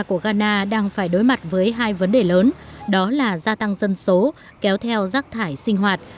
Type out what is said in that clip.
của ghana đang phải đối mặt với hai vấn đề lớn đó là gia tăng dân số kéo theo rác thải sinh hoạt